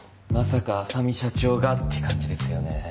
まさか浅海社長がって感じですよね。